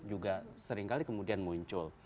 juga seringkali kemudian muncul